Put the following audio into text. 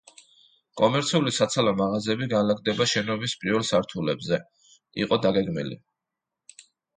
კომერციული საცალო მაღაზიები განლაგდება შენობის პირველ სართულებზე იყო დაგეგმილი.